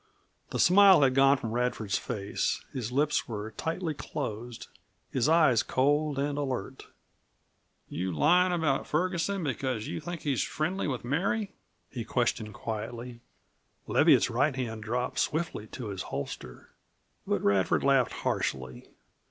The smile had gone from Radford's face; his lips were tightly closed, his eyes cold and alert. "You lying about Ferguson because you think he's friendly with Mary?" he questioned quietly. Leviatt's right hand dropped swiftly to his holster. But Radford laughed harshly.